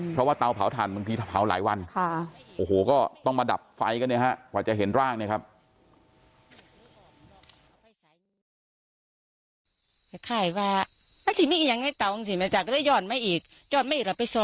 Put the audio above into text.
เพราะว่าเตาเผาถ่านมันมีเผาหลายวันโอ้โหก็ต้องมาดับไฟกันเนี่ยครับ